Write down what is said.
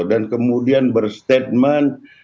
dan kemudian berstatement